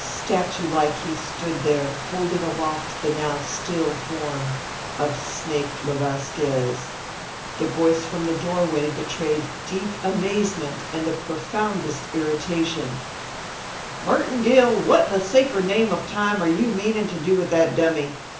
Statute like he stood there, holding aloft the now still form of Snake le Vasquez. The voice from the doorway betrayed deep amazement and the profoundest irritation: "Merton Gill, what in the sacred name of Time are you meanin' to do with that dummy?